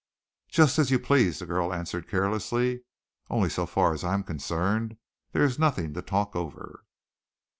"Just as you please," the girl answered carelessly, "only so far as I am concerned, there is nothing to talk over."